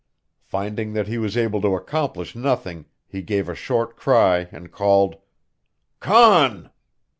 Finding that he was able to accomplish nothing, he gave a short cry and called: "Conn!"